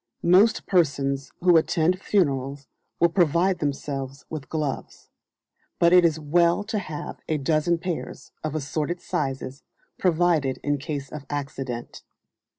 Most persons who attend funerals will provide themselves with gloves; but it is well to have a dozen pairs, of assorted sizes, provided in case of accident.